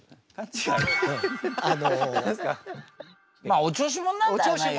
まあお調子者なんだよな要は。